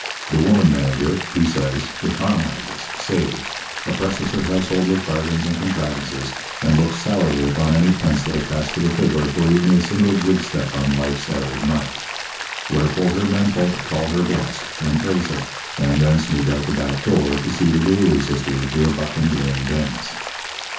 The woman manager (he says) economizes, saves, oppresses her household with bargains and contrivances, and looks sourly upon any pence that are cast to the fiddler for even a single jig step on life's arid march. Wherefore her men folk call her blessed, and praise her; and then sneak out the backdoor to see the Gilhooly Sisters do a buck and wing dance.